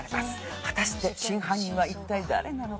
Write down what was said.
果たして真犯人は一体誰なのか？